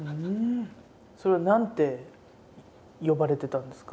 それは何て呼ばれてたんですか？